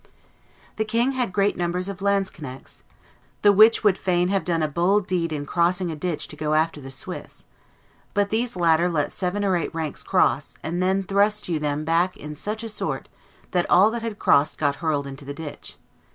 The king had great numbers of lanzknechts, the which would fain have done a bold deed in crossing a ditch to go after the Swiss; but these latter let seven or eight ranks cross, and then thrust you them back in such sort that all that had crossed got hurled into the ditch.